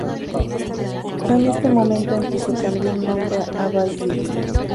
Fue en este momento en que se cambió el nombre a Bay City.